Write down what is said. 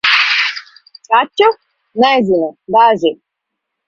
Kaķu? Nezinu - daži.